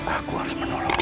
aku harus menolongnya